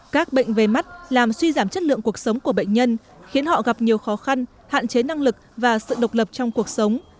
các bệnh về mắt làm suy giảm chất lượng cuộc sống của bệnh nhân khiến họ gặp nhiều khó khăn hạn chế năng lực và sự độc lập trong cuộc sống